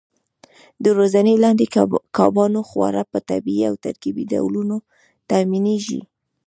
د روزنې لاندې کبانو خواړه په طبیعي او ترکیبي ډولونو تامینېږي.